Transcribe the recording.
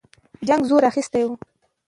جنګ زور اخیستی وو.